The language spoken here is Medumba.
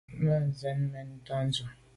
Nǔmmbə̂ nə làʼdə̌ mα̂nzə mɛ̀n tâ Dʉ̌’.